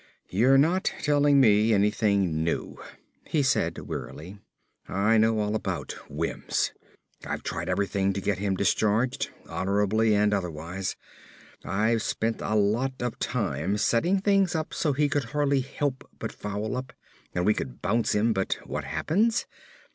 "You're not telling me anything new," he said wearily. "I know all about Wims. I've tried everything to get him discharged, honorably and otherwise. I've spent a lot of time setting things up so he could hardly help but foul up and we could bounce him, but what happens?